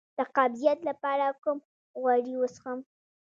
د قبضیت لپاره کوم غوړي وڅښم؟